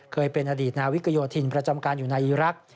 เคยเป็นอดีตนาวิกโยธินประจำการอยู่ในอีรักษ์